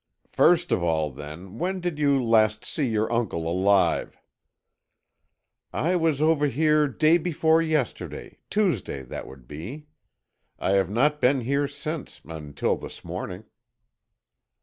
"First of all, then, when did you last see your uncle alive?" "I was over here day before yesterday, Tuesday, that would be. I have not been here since, until this morning."